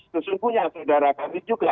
sesungguhnya saudara kami juga